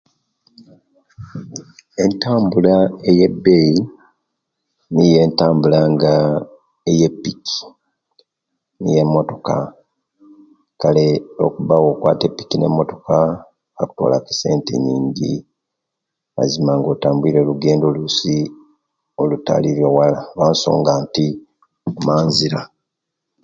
Entambula eyabeyi niyo entambula nga epikipiki ,ne motooka kale okuba nga okwaata epiki ne motooka bakutoolaku essente nyinji mazima nga otambwiire olugendo oluisi olutali lwewala olwe songs inti manzira .